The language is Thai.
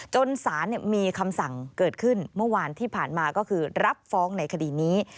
จนสารมีคำสั่งเกิดขึ้นเมื่อวานที่ผ่านมาก็คือรับฟ้องในคดีนี้